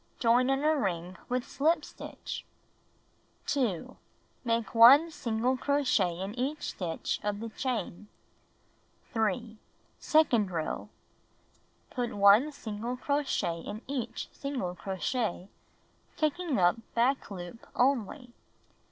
Join in a ring with slip stitch. 2. Make 1 single crochet in each stitch of the chain. 3. Second row: Put 1 single crochet in each single crochet, taking up back loop only.